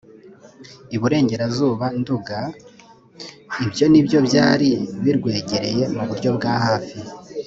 I Burengerazuba(Nduga) ; ibyo ni byo byari birwegereye mu buryo bwa hafi